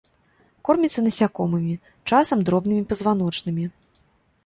Корміцца насякомымі, часам дробнымі пазваночнымі.